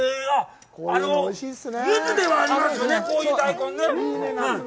ユズではありますね、こういう大根。